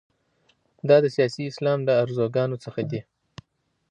دا د سیاسي اسلام له ارزوګانو څخه دي.